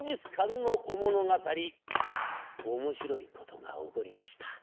面白いことが起こりました。